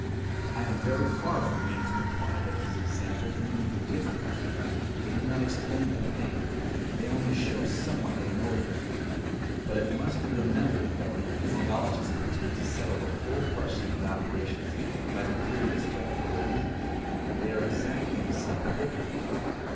I am very far from meaning to imply that these examples remove the difficulty: they do not explain the thing; they only show somewhat the mode of it. But it must be remembered that when physiologists pretend to settle the whole question of apparitions by the theory of spectral illusions, they are exactly in the same predicament.